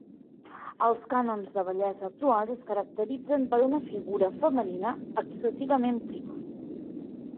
Els cànons de bellesa actuals es caracteritzen per una figura femenina excessivament prima.